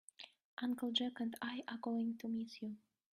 Uncle Jack and I are going to miss you.